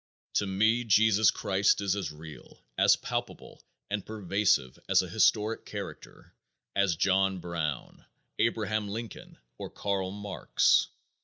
To me Jesus Christ is as real, as palpitant and pervasive as a historic character as John Brown, Abraham Lincoln or Karl Marx.